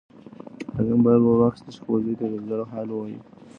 هغې موبایل ورواخیست چې خپل زوی ته د زړه حال ووایي.